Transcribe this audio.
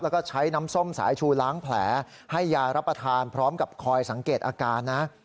แล้วก็ใช้น้ำส้มสายชูล้างแผลให้ยารับประทานพร้อมกับคอยสังเกตอาการนะ